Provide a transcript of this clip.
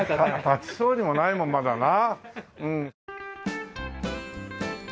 建ちそうにもないもんまだな。